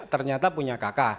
ternyata punya kk